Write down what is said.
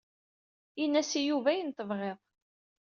Ini-as i Yuba ayen i tebɣiḍ.